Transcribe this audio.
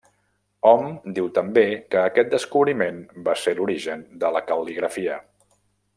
Hom diu també que aquest descobriment va ser l'origen de la cal·ligrafia.